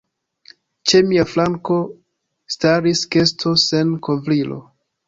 Ĉe mia flanko staris kesto sen kovrilo.